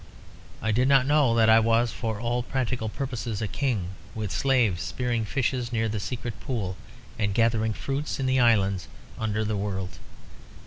I did not know that I was for all practical purposes a king with slaves spearing fishes near the secret pool, and gathering fruits in the islands under the world.